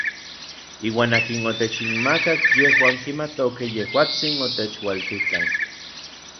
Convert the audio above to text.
Iuan akin otechinmakak yejuan kimatokej tejuatsin otechualtitlanki.